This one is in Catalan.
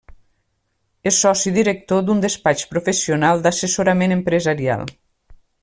És soci director d'un despatx professional d'assessorament empresarial.